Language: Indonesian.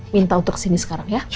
minta untuk kesini sekarang ya